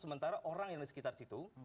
sementara orang yang di sekitar situng